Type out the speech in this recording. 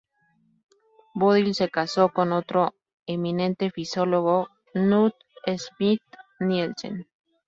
Bodil se casó con otro eminente fisiólogo, Knut Schmidt-Nielsen.